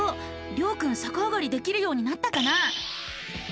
りょうくんさかあがりできるようになったかな？